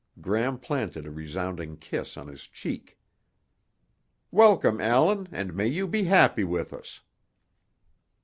Gram planted a resounding kiss on his cheek. "Welcome, Allan, and may you be happy with us!"